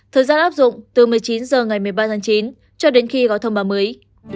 thời gian áp dụng từ một mươi chín h ngày một mươi ba tháng chín cho đến khi có thông báo mới